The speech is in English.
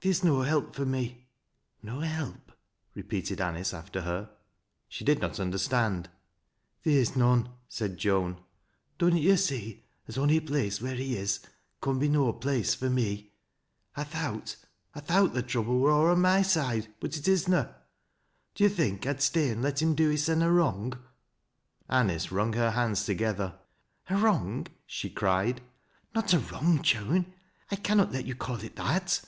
Theer's no help fur me." " If help ?" repeated Anice after her. She did not understand. " Theer's none," said Joan. " Dunnot yo' see as onj place wheer he is con be no place fur me ? I thowt — I thowt the trouble wur aw on my side, but it is na. Do yo' think I'd stay an' let him do hissen a wrong ?" Anice wrung her hands together. " A wrong ?" she cried. " Not a wrong, Joan — 1 can not let you call it that."